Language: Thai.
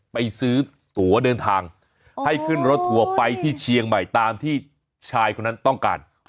ไปซื้อตัวเดินทางให้ขึ้นรถทัวร์ไปที่เชียงใหม่ตามที่ชายคนนั้นต้องการ